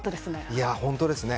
本当ですね。